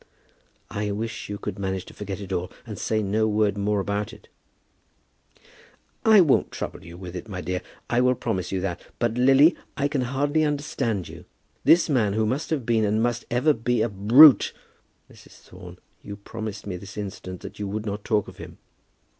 "I wish you could manage to forget it all, and say no word more about it." "I won't trouble you with it, my dear; I will promise you that. But, Lily, I can hardly understand you. This man who must have been and must ever be a brute, " "Mrs. Thorne, you promised me this instant that you would not talk of him."